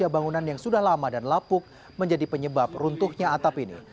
tiga bangunan yang sudah lama dan lapuk menjadi penyebab runtuhnya atap ini